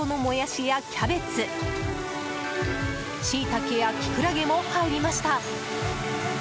シイタケやキクラゲも入りました。